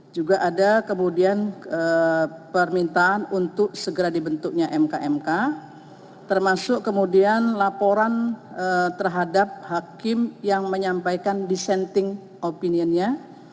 juga ada kemudian permintaan untuk segera dibentuknya mkmk termasuk kemudian laporan terhadap hakim yang menyampaikan dissenting opinionnya